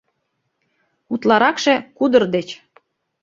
Утларакше — кудыр деч.